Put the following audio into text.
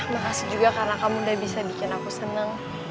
makasih juga karena kamu udah bisa bikin aku senang